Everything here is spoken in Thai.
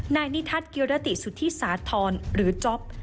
นายนิทัศน์กิรติสุธิสาธรณ์หรือจ๊อป